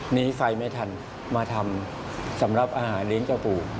หนีไฟไม่ทันมาทำสำหรับอาหารเลี้ยงเจ้าปู่